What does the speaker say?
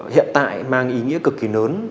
hiện tại mang ý nghĩa cực kỳ lớn